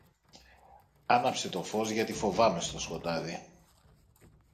Άναψε το φως, γιατί φοβάμαι στο σκοτάδι.